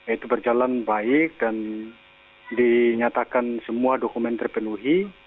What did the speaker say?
itu berjalan baik dan dinyatakan semua dokumen terpenuhi